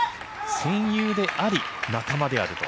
戦友であり仲間であると。